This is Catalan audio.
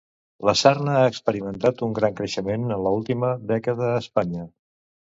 La sarna ha experimentat un gran creixement en l'última dècada a Espanya.